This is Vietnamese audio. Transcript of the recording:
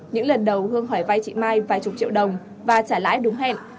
những lần đầu hương hỏi vay chị mai vài chục triệu đồng và trả lãi đúng hẹn